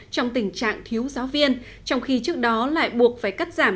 trong tình trạng thiếu giáo viên trong khi trước đó lại buộc phải cắt giảm